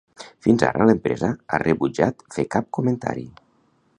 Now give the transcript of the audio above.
Fins ara, l'empresa ha rebutjat fer cap comentari.